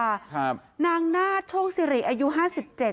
ครับนางนาฏโชคสิริอายุห้าสิบเจ็ด